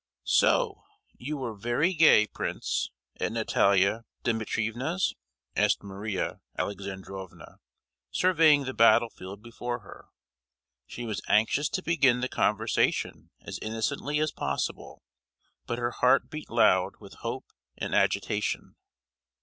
"So you were very gay, prince, at Natalia Dimitrievna's?" asked Maria Alexandrovna, surveying the battlefield before her; she was anxious to begin the conversation as innocently as possible; but her heart beat loud with hope and agitation.